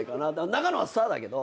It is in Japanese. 長野はスターだけど。